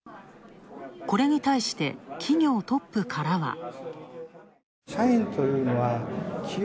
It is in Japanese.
これに対して、企業トップからは。